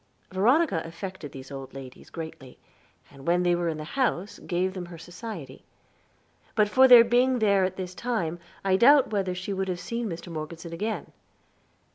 Veronica affected these old ladies greatly, and when they were in the house gave them her society. But for their being there at this time, I doubt whether she would have seen Mr. Morgeson again.